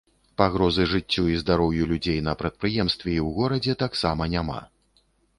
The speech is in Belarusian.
Пагрозы жыццю і здароўю людзей на прадпрыемстве і ў горадзе таксама няма.